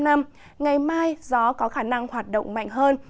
ngày mai gió có khả năng hoạt động mạnh hơn